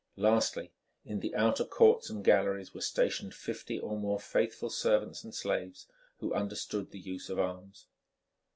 Lastly, in the outer courts and galleries were stationed fifty or more faithful servants and slaves who understood the use of arms.